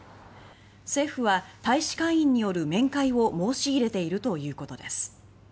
政府は、大使館員による面会を申し入れているということです。